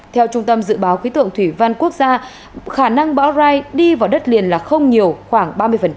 theo trung tâm dự báo khí tượng thủy văn quốc gia khả năng bão rai đi vào đất liền là không nhiều khoảng ba mươi